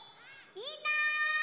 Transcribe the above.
みんな。